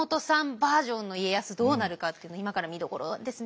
バージョンの家康どうなるかっていうの今から見どころですね。